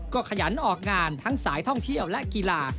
ก็ขยันออกงานทั้งสายท่องเที่ยวและกีฬา